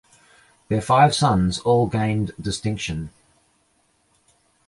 Their five sons all gained distinction.